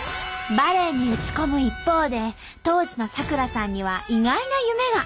バレーに打ち込む一方で当時の咲楽さんには意外な夢が。